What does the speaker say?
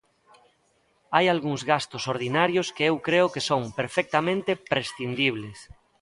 Hai algúns gastos ordinarios que eu creo que son perfectamente prescindibles.